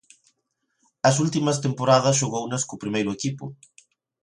As últimas temporadas xogounas co primeiro equipo.